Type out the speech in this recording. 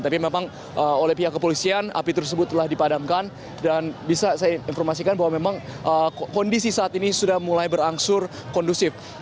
tapi memang oleh pihak kepolisian api tersebut telah dipadamkan dan bisa saya informasikan bahwa memang kondisi saat ini sudah mulai berangsur kondusif